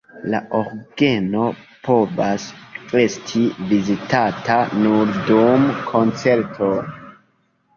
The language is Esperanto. La orgeno povas esti vizitata nur dum koncertoj.